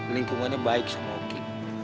lingkungannya baik sama oki